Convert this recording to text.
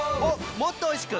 もっとおいしく！